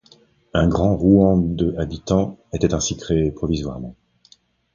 Un grand Rouen de habitants était ainsi créé provisoirement.